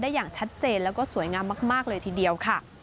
อย่างชัดเจนแล้วก็สวยงามมากเลยทีเดียวค่ะ